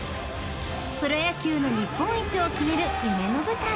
［プロ野球の日本一を決める夢の舞台］